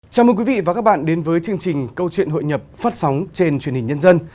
chào mừng quý vị và các bạn đến với chương trình câu chuyện hội nhập phát sóng trên truyền hình nhân dân